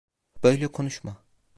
Böyle konuşma.